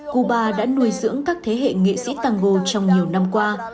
cuba đã nuôi dưỡng các thế hệ nghệ sĩ tango trong nhiều năm qua